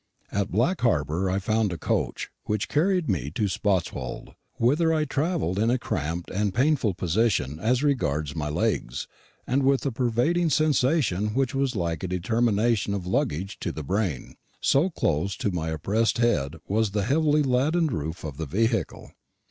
At Black Harbour I found a coach, which carried me to Spotswold, whither I travelled in a cramped and painful position as regards my legs, and with a pervading sensation which was like a determination of luggage to the brain, so close to my oppressed head was the heavily laden roof of the vehicle.